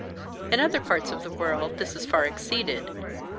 In other parts of the world this is far exceeded.